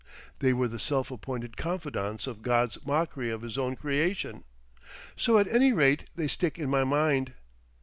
They were the self appointed confidants of God's mockery of his own creation. So at any rate they stick in my mind.